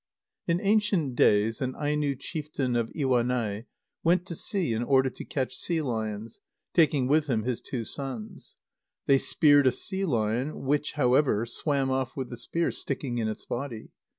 _ In ancient days, an Aino chieftain of Iwanai went to sea in order to catch sea lions, taking with him his two sons. They speared a sea lion, which, however, swam off with the spear sticking in its body.